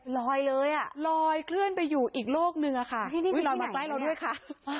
ลอยเลยอ่ะลอยเคลื่อนไปอยู่อีกโลกหนึ่งอะค่ะลอยมาใกล้เราด้วยค่ะ